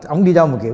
ông đi đâu mà kể